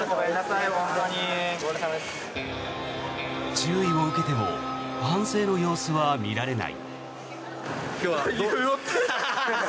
注意を受けても反省の様子は見られない。